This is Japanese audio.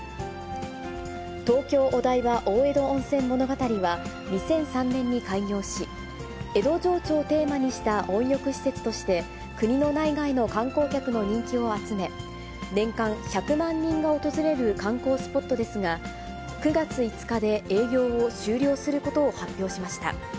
東京お台場大江戸温泉物語は、２００３年に開業し、江戸情緒をテーマにした温浴施設として、国の内外の観光客の人気を集め、年間１００万人が訪れる観光スポットですが、９月５日で営業を終了することを発表しました。